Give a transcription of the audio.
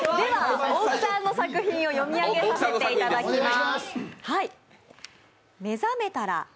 大木さんの作品を読み上げさせていただきます。